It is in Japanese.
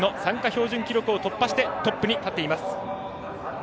標準記録を突破してトップに立っています。